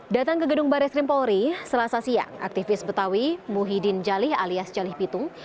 datang ke gedung baris krim polri selasa siang aktivis betawi muhyiddin jalih alias jalih pitung